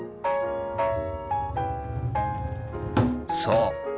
そう。